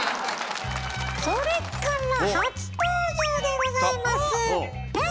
それから初登場でございます！